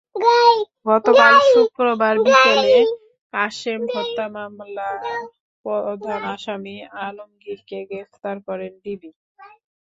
গতকাল শুক্রবার বিকেলে কাশেম হত্যা মামলা প্রধান আসামি আলমগীরকে গ্রেপ্তার করে ডিবি।